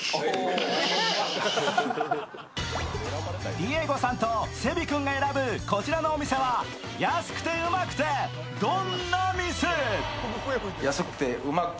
ディエゴさんとセビ君が選ぶこちらのお店は安くてウマくて、どんな店？